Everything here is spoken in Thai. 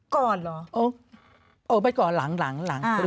ก่อนเหรอโอ๊ยโอ๊ยไม่ก่อนหลัง